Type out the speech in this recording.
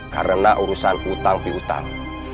karena urusan utang pihutang